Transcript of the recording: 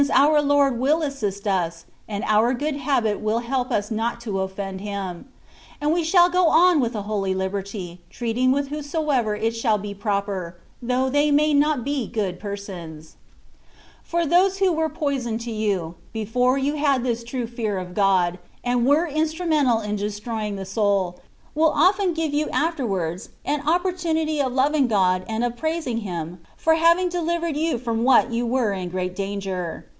211 our Lord will assist ns^ and our good habit will help us not to offend Him ; and we shall go on with a holy liberty, treating with whomsoever it shall be proper, though they may not be good persons ; for those who were poison to you, before you had this true fear of God, and were instru mental in destroying the soul, will often give you afterwards an opportunity of loving God and of praising Him for having delivered you from what you were in great danger.